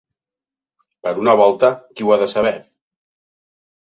Per una volta, qui ho ha de saber?